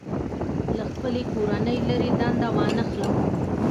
له خپلې کورنۍ لرې دنده وانخلم.